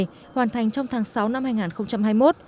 hoàn thành trong tháng sáu năm hai nghìn hai mươi một